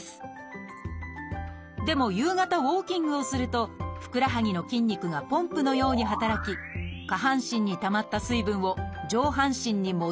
でも夕方ウォーキングをするとふくらはぎの筋肉がポンプのように働き下半身にたまった水分を上半身に戻すことができます。